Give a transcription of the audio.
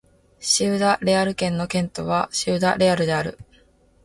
シウダ・レアル県の県都はシウダ・レアルである